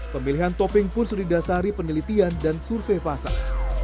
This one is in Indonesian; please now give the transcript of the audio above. pemilihan topping pun sudah didasari penelitian dan survei pasar